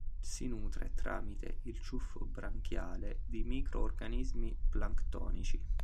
Si nutre, tramite il ciuffo branchiale, di micro-organismi planctonici.